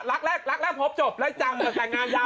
รักแรกรักแรกพบจบแล้วจังแต่งงานยาว